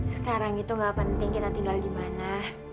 sekarang itu nggak penting kita tinggal di mana